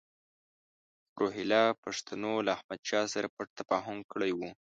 روهیله پښتنو له احمدشاه سره پټ تفاهم کړی وو.